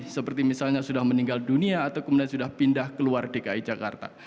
seperti misalnya sudah meninggal dunia atau kemudian sudah pindah keluar dki jakarta